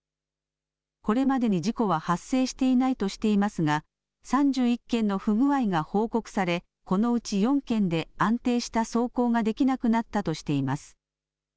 これまでに事故は発生していないとしていますが、３１件の不具合が報告され、このうち４件で安定した走行ができなくなったとしています。